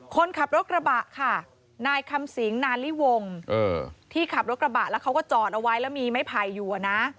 คนขับรถกระบะค่ะนายคำสิงนาลิวงที่ขับรถกระบะแล้วเขาก็จอดเอาไว้แล้วมีไม้ไผ่อยู่นะ